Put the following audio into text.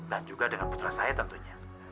dan juga dengan putra saya tentunya